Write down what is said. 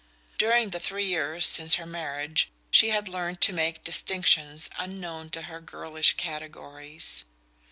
During the three years since her marriage she had learned to make distinctions unknown to her girlish categories.